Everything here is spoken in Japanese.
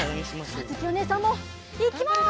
あづきおねえさんもいきます！